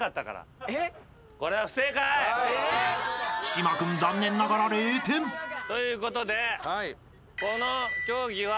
［島君残念ながら０点］ということでこの競技は。